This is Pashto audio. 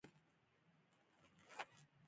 سیلابونه د افغان ځوانانو د هیلو یو استازیتوب کوي.